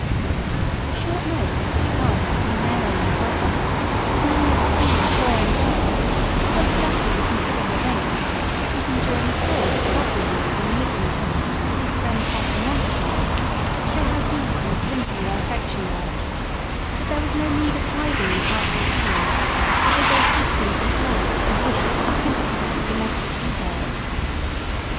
The short notes which passed between Mary and Godwin, as many as three and four in a day, as well as letters of considerable length written during a tour which Godwin made in the midland counties with his friend Basil Montague, show how deep and simple their affection was, that there was no need of hiding the passing cloud, that they both equally disliked and wished to simplify domestic details.